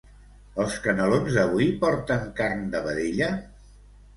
Els canelons d'avui porten carn de vedella?